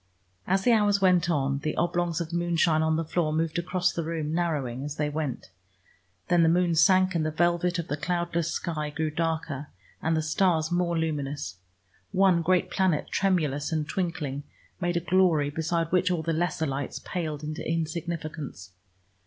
As the hours went on the oblongs of moonshine on the floor moved across the room, narrowing as they went. Then the moon sank and the velvet of the cloudless sky grew darker, and the stars more luminous. One great planet, tremulous and twinkling, made a glory beside which all the lesser lights paled into insignificance.